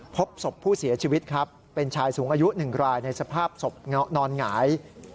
พบศพผู้เสียชีวิตครับเป็นชายสูงอายุ๑รายในสภาพศพนอนหงาย